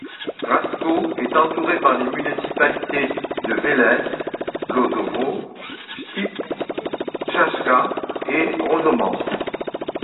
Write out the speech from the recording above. Gradsko est entourée par les municipalités de Vélès, Lozovo, Chtip, Tchachka et Rosoman.